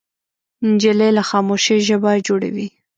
نجلۍ له خاموشۍ ژبه جوړوي.